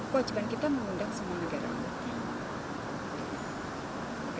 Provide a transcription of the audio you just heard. kewajiban kita mengundang semua negara